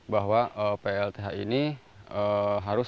bahwa plth ini harus